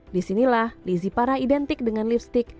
disinilah lizzie para identik dengan lipstick